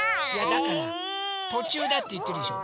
だからとちゅうだっていってるでしょ。